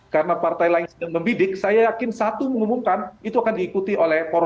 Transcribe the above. karena partai lain sedang membidik